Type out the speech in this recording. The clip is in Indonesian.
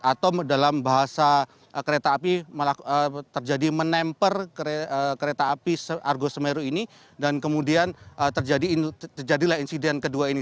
atau dalam bahasa kereta api terjadi menemper kereta api argo semeru ini dan kemudian terjadilah insiden kedua ini